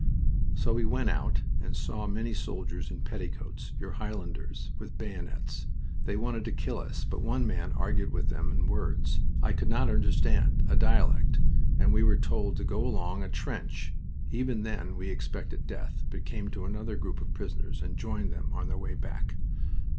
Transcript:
"So we went out, and saw many soldiers in petticoats, your Highlanders, with bayonets. They wanted to kill us, but one man argued with them in words I could not understand a dialect and we were told to go along a trench. Even then we expected death, but came to another group of prisoners, and joined them on their way back.